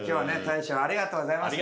大将ありがとうございます。